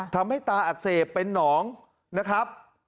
ทำให้ตาอักเสบเป็นหนองนะครับ